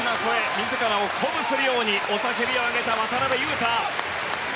自らを鼓舞するように雄たけびを上げた渡辺勇大。